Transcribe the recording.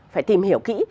phải tìm hiểu kỹ